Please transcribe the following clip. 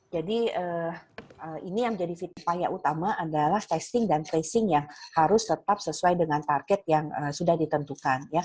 jadi ini yang menjadi fitur payah utama adalah testing dan tracing yang harus tetap sesuai dengan target yang sudah ditentukan